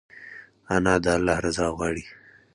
انا د الله رضا غواړي